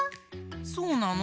そうなの？